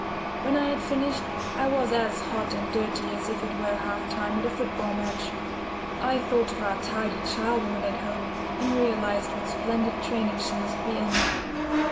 When I had finished, I was as hot and dirty as if it were half time at a football match. I thought of our tidy charwoman at home, and realised what splendid training she must be in.